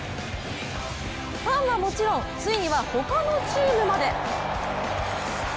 ファンはもちろん、ついには他のチームまで。